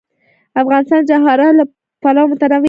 افغانستان د جواهرات له پلوه متنوع دی.